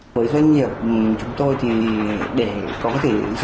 với doanh nghiệp chúng tôi thì để có thể